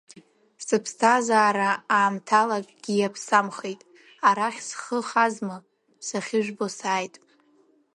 Сыԥсҭазаара аамҭала акгьы иаԥсамхеит, арахь схы хазма, сахьыжәбо сааит.